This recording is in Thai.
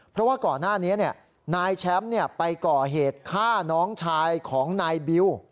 เพราะว่าก่อนหน้านี้นายแชมป์ไปก่อเหตุฆ่าน้องชายของนายบิว